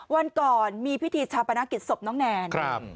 วันก่อนมีพิธีชาปนาเกียรติศพน้องแนน